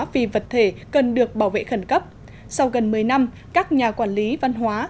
vì vật thể cần được bảo vệ khẩn cấp sau gần một mươi năm các nhà quản lý văn hóa